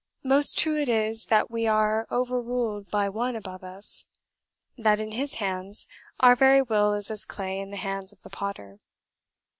Most true it is, that we are over ruled by One above us; that in His hands our very will is as clay in the hands of the potter."